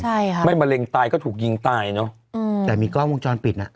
ใช่ค่ะไม่มะเร็งตายก็ถูกยิงตายเนอะอืมแต่มีกล้องวงจรปิดอ่ะ